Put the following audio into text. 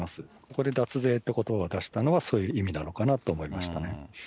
ここで脱税ということばを出したのは、そういう意味なのかなと思いましたね。